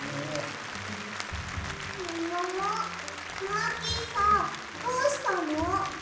マーキーさんどうしたの？